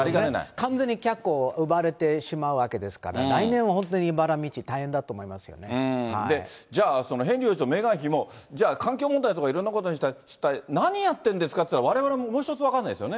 完全に脚光を奪われてしまうわけですから、来年は本当にいばじゃあ、ヘンリー王子とメーガン妃も、じゃあ、環境問題とかいろんなことにしたって、何やってるんですかって、われわれもう一つ、分かんないですよね。